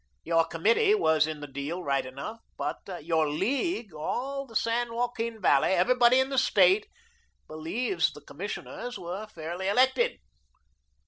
Your committee was in the deal right enough. But your League, all the San Joaquin Valley, everybody in the State believes the commissioners were fairly elected."